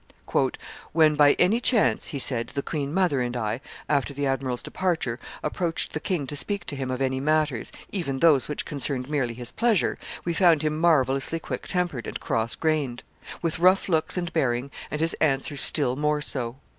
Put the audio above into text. "When, by any chance," he said, "the queen mother and I, after the admiral's departure, approached the king to speak to him of any matters, even those which concerned merely his pleasure, we found him marvellously quick tempered and cross grained, with rough looks and bearing, and his answers still more so.